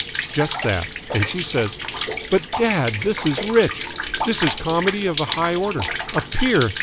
"Just that. And she says " "But, dad, this is rich! This is comedy of a high order! A peer!